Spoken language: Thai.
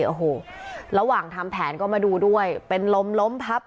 โอ้โหระหว่างทำแผนก็มาดูด้วยเป็นลมล้มพับ